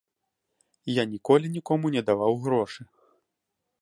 Я ніколі нікому не даваў грошы.